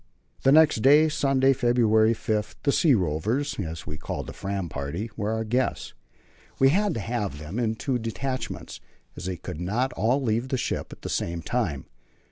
The next day Sunday, February 5 the "sea rovers," as we called the Fram party, were our guests. We had to have them in two detachments, as they could not all leave the ship at the same time.